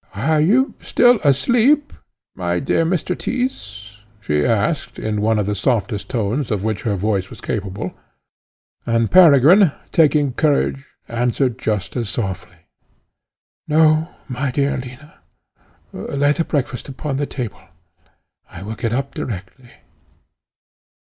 "Are you still asleep, my dear Mr. Tyss?" she asked in one of the softest tones of which her voice was capable; and Peregrine, taking courage, answered just as softly, "No, my dear Alina: lay the breakfast upon the table; I will get up directly."